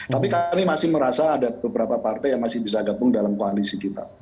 tapi kami masih merasa ada beberapa partai yang masih bisa gabung dalam koalisi kita